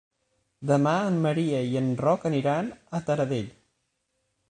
Demà en Maria i en Roc aniran a Taradell.